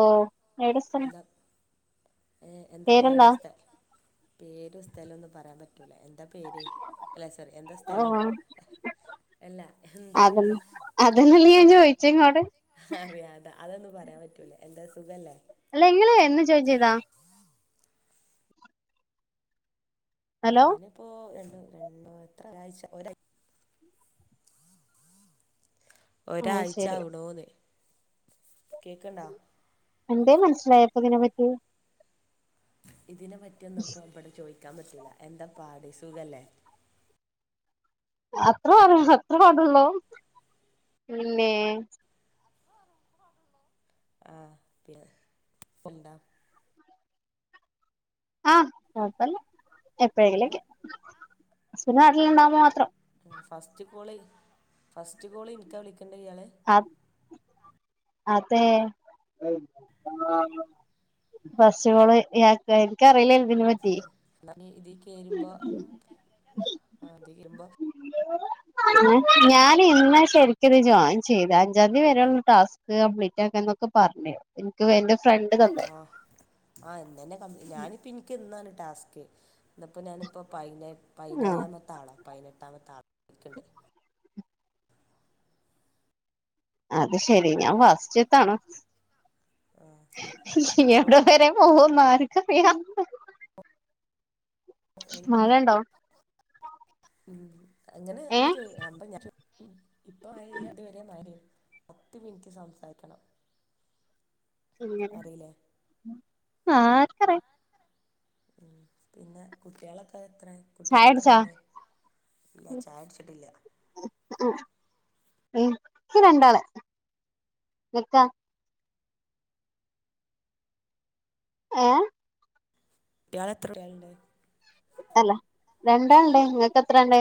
ഓ എടേ സ്ഥലം എന്താ ഏ എന്താ പാട് പേരെന്താ സ്ഥ പേര് സ്ഥലോന്നും പറയാൻ പ ല എന്താ പേര് അല്ല സേറ് എന്താ ഓ സ്ഥലം എല്ല എന്താ അത് അതന്നല്ലേ സു ഞാൻ ചോയിച്ചേ ഇങ്ങോട് അറിയാ അതാ അതൊന്നും പറയാൻ പറ്റൂല എന്താ സുഖല്ലേ അല്ല ഇങ്ങള് എന്ന് ജോയിൻ ചെയ്താ ഹലോ ഞാനിപ്പോ രണ്ട് രണ്ടോ എത്ര ആഴ്ച ഒരായ് അത് ശെരി ഒരാഴ്ച്ചാവ്ണുന്ന് കേക്ക്‌ണ്ടോ എന്തേ മനസ്സിലായപ്പോ ഇതിനെപ്പറ്റി ഇതിനെ പറ്റിയൊന്നും ഇപ്പോ ഇവടെ ചോയിക്കാൻ പറ്റൂല്ല എന്താ പാട് സുഖല്ലേ അത്ര പാ അത്ര പാടോള്ളൂ പിന്നെ ആഹ് പി [unintelligible] ആ കൊഴപ്പല്ല ഉം എപ്പോഴേങ്കിലൊക്കെ ഹസ്ബൻന്റ് നാട്ടില്ണ്ടാവുമ്പോ മാത്രം ഉം, ഫസ്റ്റ് കോള് ഫസ്റ്റ് കോള് ഇന്ക്കാ വിളി അ അതെ ഫസ്റ്റ് കോള് ഇയാക്കാ എനിക്കറില്ലേ ഏ ഇന്നാ പി ഇതീ കേരുമ്പോ ആ കേറുമ്പോ ഞാൻ ഇന്നാ ശെരിക്കിത് ജോയിൻ ചെയ്ത അഞ്ചാം തീ വരെയുള്ള ടാസ്ക് കംപ്ലീറ്റ് ആക്ക എന്നൊക്കെ പറഞ്ഞ്. എനിക്ക് ഫ്രണ്ട് തന്നേ ആ ആ ഇന്നന്നെ ക ഞാനിപ്പോ ഇനിക്ക്ന്നാണ് ടാസ്ക്. ഇന്ന്പ്പോ ഞാനിപ്പോ പയിനെ, ആഹ് പയിനേഴാമത്താള. പതിനെട്ടാമത്തെ [unintelligible] അത് ശെരി ഞാൻ ഫസ്റ്റ്ത്താണ് അപ്പോ എവിടെ വരെ ഓഹ മാർക്ക [unintelligible] എനി മഴണ്ടോ? ഉം അങ്ങനെ ഏ [unintelligible] ഇപ്പ മഴഇല്ല, ഇതരെ മയെനി പത്ത് മിനിറ്റ് സംസാരിക്കണം. ഇങ്ങനെ അറിയില്ലേ ആർക്കറിയ ഉം പിന്നെ കുട്ടിളൊക്കെ പിന്നെ കുട്ടിള ചായുടിച്ചോ എത്രണ്ണംഉണ്ട്? ചായ കുടിച്ചോ? ഇല്ല ചായ കുടിച്ചിട്ടില്ല. ഇന്ക്ക് രണ്ടാള്, ഇങ്ങക്ക? ഏ കുട്ടില് എത്ര [unintelligible] അല്ല രണ്ടാൾണ്ട്, നിങ്ങക്ക് എത്ര ആളുണ്ട്?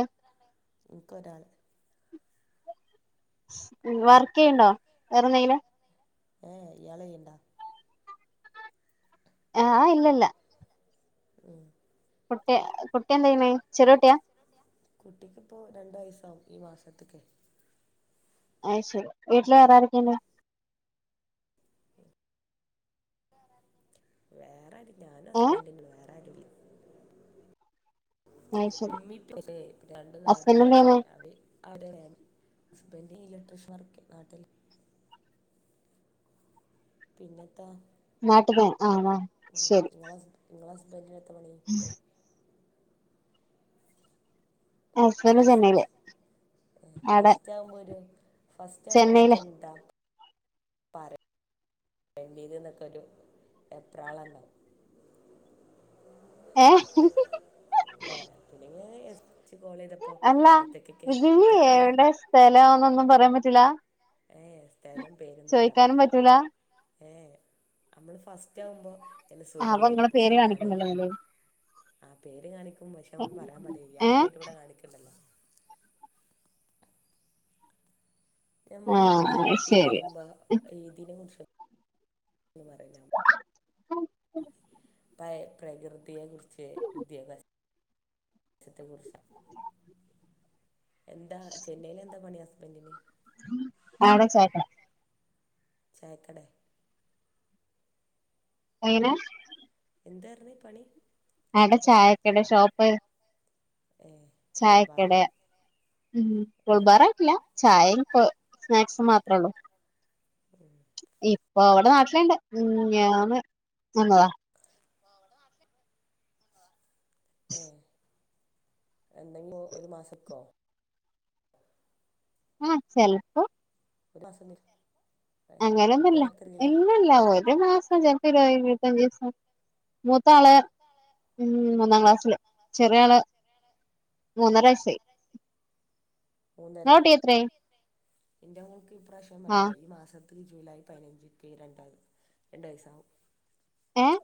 ഇന്ക്ക് ഒരാള് വർക്ക് ചെയ്യ്ണ്ടോ? വേറെന്തെങ്കിലും ഏഹ് ഇയാൾ ചെയ്യുണ്ടോ? ആഹ് ഇല്ല ഇല്ല ഉം കുട്ടി, കുട്ടി എന്ത് ചെയ്യ്ണേ? ചെറിയ കുട്ടിയാ കുട്ടിക്ക്ഇപ്പൊ രണ്ടു വയസാവും ഈ മാസത്ക്ക്‌. അഹ് ശരി. വീട്ടില് വേറെ രൊക്കെണ്ട്? വേറെ ആരുല്ല ഞാനും ഏ ഹസ്ബൻഡള്ളു. വേറെആരൂല്ല അയ് ശെരി ഇമ്മി പേര് രണ്ടു ഹസ്ബന്റ് നാത്തൂമാര് എന്തെയ്യ്ണ് [unintelligible] ഹസ്ബൻഡ് ഇലക്ട്രിഷൻ വർക്ക് നാട്ടില്. പിന്നെ നാട്ട്ന്ന് ആ ആ ശരി. നിങ്ങളെ നിങ്ങളെ ഹസ്ബൻഡിനെത്ത പണി ഉം ഹസ്ബന്റ് ഫസ്റ്റ് ചെന്നൈയില് ആടെ ഫസ്റ്റ് ആവുമ്പോര് ഫസ്റ്റ് ആവുമ്പോ ചെന്നൈയില് നമുക്കെന്താ വേണ്ടീത് നിക്കരു വെപ്രാളണ്ടാവും ഏ ല്ലേ പിന്നെ എസ് സി കോൾ ചെയ്തപ്പോൾ അല്ല എത്തക്കൊക്കെ ഇതിൽ എത്തക്കെ എവിടെ സ്ഥലംന്നൊന്നും പറയാൻ പറ്റൂല? ഏഹ് സ്ഥലം, പേരൊന്നും, പറയാൻ ചോയിക്കാനും പറ്റില്ല. പറ്റൂല ഏ നമ്മള് ഫസ്റ്റ് ആകുമ്പോ [unintelligible] നിങ്ങളെ പേര് കാണിക്കണ്ടല്ലോ ഇത്ൽ ആ പേര് കാണിക്കും പക്ഷെ നമ്മള് പറയാൻ പാടില്ല. ഏ ഇയാളെ പേര് ഇവിടെ കാണിക്ക്ണ്ടല്ലോ ആ നമ്മള് ഇത് ശരി കേയരുമ്പോ ഏതിനെ കുറിച്ച് പറയില്ല പ്ര പ്രകൃതിയെ കുറിച്ച്, വിദ്യാസത്തെ കുറിച്ച് [inaudible] എന്താ ചെന്നൈയില എന്താ പണി ഹസ്ബൻ്റിന് ആവിടെച്ചയിട്ടാ ചായക്കട എങ്ങനെ എന്തായിരുന്നു പണി ആടെ ചായക്കടാ ഷോപ്പ്. ഏ കൂൾ ചായക്കട ബാറ് ഉം ഏ കുൾബാറല്ല, ചായേം സ്നാക്സ് മാത്രേള്ളൂ. ഇപ്പൊ അവിടെ നാട്ടിലണ്ട്. ഉം മേഞ്ഞാന്ന് വന്നതാ. ഏ എന്താപ്പോ ഒരു മാസക്കോ. ആഹ ചെലപ്പോ. ഒരുമാസോ. അങ്ങനൊന്നുല്ല ഇല്ലലാ ഓൽ. ഒരു മാസം ചെലപ്പോ ഇരുമ്പ ഇരുമ്പത്തജിസം മൂത്താളെ. ഉം മൂന്നാം ക്ലാസ്സില് ചെറിയ ആള് മൂന്നര വയസായി. മൂന്നരെ എന്റെ മോൾക്ക് ഇപ്രാശ്യം ആഹ് പറല്ലേ ഈ മാസ. ഈ ജൂലൈ പതിനഞ്ചക്ക് രണ്ട രണ്ട് വയസ്സാകും. ഏഹ്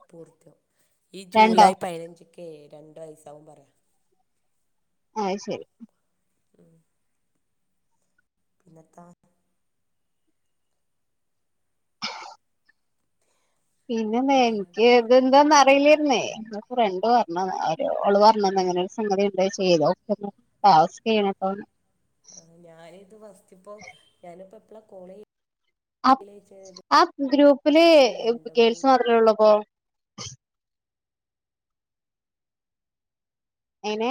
ഈ രണ്ടോ ജൂലൈ പതിനഞ്ചക്ക് രണ്ടു വയസാവും പറയാ. ഏ അയ്ശെരി. ഉം. പിന്നെത്താ പിന്നെ എന്തെല്ലാം ന്താനിക്ക് ഇതെന്താന്ന് അറിയില്ലരുന്നേ ന്റെ ഫ്രണ്ട്. ഒള് പറഞ്ഞന്നങ്ങനെ ഒരു സംഗതി ഇണ്ട് ചെയ്തോക്ക്ന്ന് ടാസ്ക് ചെയ്യണട്ടോന്ന്. ആ ഞാന ഇത് ഫസ്റ്റ്പ്പോ ഞാനിപ്പോ എപ്പളാ കോളയ്. ആ ആ ഗ്രൂപ്പില് ഒരു രണ്ട് മണി ഗേൾസ് മാത്രമേ ഉള്ളൂപ്പോ. ഏനെ.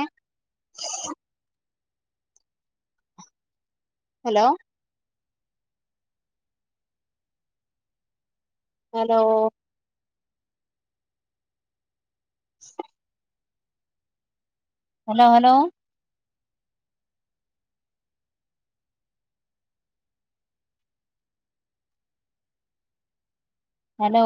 Hello. Hello. [unintelligible] Hello hello. Hello.